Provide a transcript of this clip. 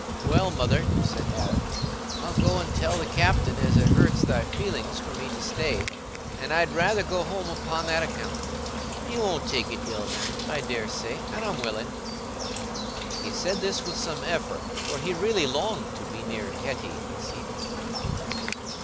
"Well, Mother," said Adam, "I'll go and tell the captain as it hurts thy feelings for me to stay, and I'd rather go home upo' that account: he won't take it ill then, I daresay, and I'm willing." He said this with some effort, for he really longed to be near Hetty this evening.